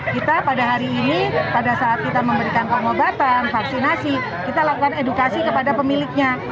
kita pada hari ini pada saat kita memberikan pengobatan vaksinasi kita lakukan edukasi kepada pemiliknya